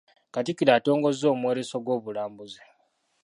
Katikkiro atongozza omwoleso gw’obulambuzi.